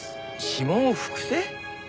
指紋を複製？